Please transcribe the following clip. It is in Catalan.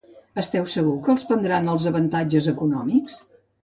Esteu segur que els prendran els avantatges econòmics?